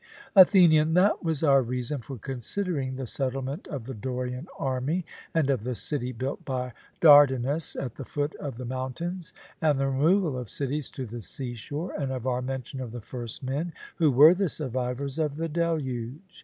ATHENIAN: And that was our reason for considering the settlement of the Dorian army, and of the city built by Dardanus at the foot of the mountains, and the removal of cities to the seashore, and of our mention of the first men, who were the survivors of the deluge.